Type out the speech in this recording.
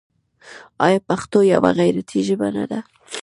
آیا پښتو یوه غیرتي ژبه نه ده؟